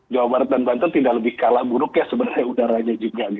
jawa barat dan banten tidak lebih kalah buruk ya sebenarnya udaranya juga